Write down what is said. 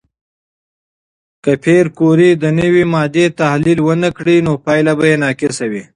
که پېیر کوري د نوې ماده تحلیل ونه کړي، پایله به ناقصه وي.